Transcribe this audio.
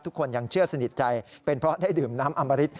ทุกคนยังเชื่อสนิทใจเป็นเพราะได้ดื่มน้ำอมริต